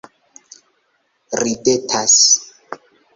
Ridetas